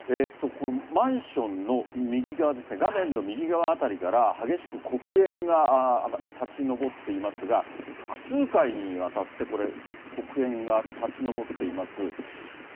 このマンションの右側ですね、画面の右側辺りから激しく黒煙が立ちのぼっていますが、複数階にわたって、これ、黒煙が立ち上っています。